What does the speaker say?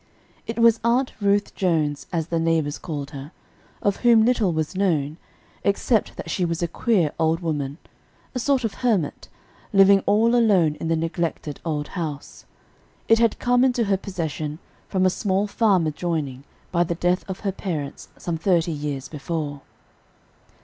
It was Aunt Ruth Jones, as the neighbors called her, of whom little was known, except that she was a queer old woman a sort of hermit, living all alone in the neglected old house. It had come into her possession, with a small farm adjoining, by the death of her parents some thirty years before.